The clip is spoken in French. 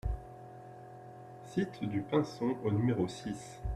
Cite du Pinson au numéro six